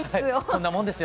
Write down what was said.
こんなもんです。